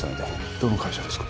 どの会社ですか